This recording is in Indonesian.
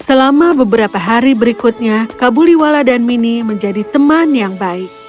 selama beberapa hari berikutnya kabuliwala dan mini menjadi teman yang baik